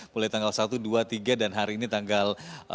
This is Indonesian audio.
mulai tanggal satu dua tiga dan hari ini tanggal